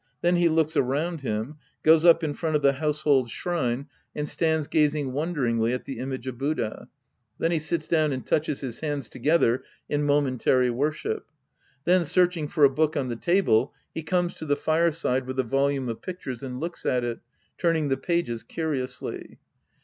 Then he looks around him, goes up in front of the household shrine. Sc I The Priest and His Disciples 15 and stands gazing wonderingly at the image of Buddha. Then he sits down and touches his hands together in momentary worship. Then searching for a book 071 the table, he comes to the fireside with a volume of pictures and looks at it, turning the pages curiously.